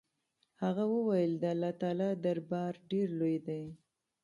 هغه وويل د الله تعالى دربار ډېر لوى دې.